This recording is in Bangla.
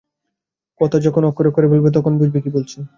কথা যখন অক্ষরে-অক্ষরে ফলবে, তখন বুঝবি কী বলছি।